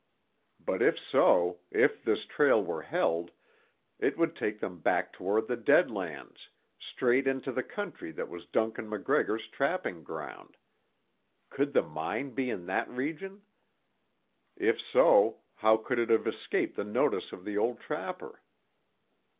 But if so, if this trail were held, it would take them back toward the Dead Lands, straight into the country that was Duncan MacGregor's trapping ground. Could the mine be in that region. If so, how could it have escaped the notice of the old trapper?